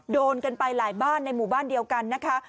โดนกันไปหลายบ้านในหมู่บ้านเดียวกันนะคะ